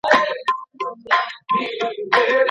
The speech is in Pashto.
د بریا رڼا یوازي مستحقو ته نه سي ښودل کېدلای.